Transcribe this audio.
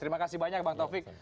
terima kasih banyak bang taufik